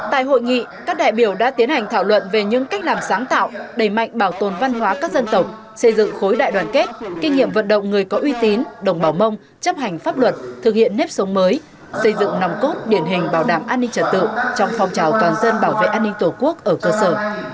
tại hội nghị các đại biểu đã tiến hành thảo luận về những cách làm sáng tạo đầy mạnh bảo tồn văn hóa các dân tộc xây dựng khối đại đoàn kết kinh nghiệm vận động người có uy tín đồng bào mông chấp hành pháp luật thực hiện nếp sống mới xây dựng nòng cốt điển hình bảo đảm an ninh trật tự trong phong trào toàn dân bảo vệ an ninh tổ quốc ở cơ sở